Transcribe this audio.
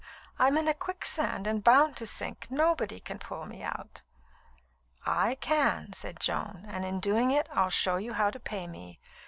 I'm in a quicksand and bound to sink. Nobody can pull me out." "I can," said Joan; "and in doing it, I'll show you how to pay me.